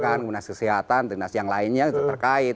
kemudian dinas kesehatan dinas yang lainnya terkait